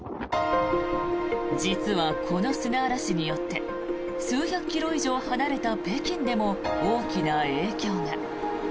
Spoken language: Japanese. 実はこの砂嵐によって数百キロ以上離れた北京でも大きな影響が。